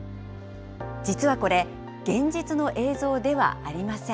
実はこれ、現実の映像ではありません。